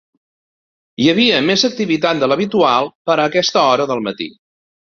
Hi havia més activitat de l'habitual per a aquesta hora del matí.